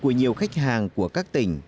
của nhiều khách hàng của các tỉnh